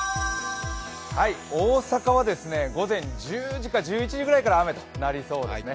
大阪は午前１０時か１１時くらいから雨となりそうですね。